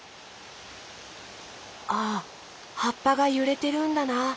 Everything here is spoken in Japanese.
ああはっぱがゆれてるんだな。